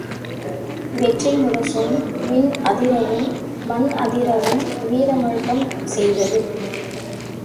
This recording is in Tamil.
வெற்றிமுரசும் விண் அதிரவும் மண் அதிரவும் வீர முழக்கம் செய்தது!